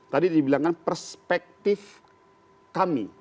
tadi dibilangkan perspektif kami